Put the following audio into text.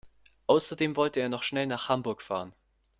Außerdem wollte er noch schnell nach Hamburg fahren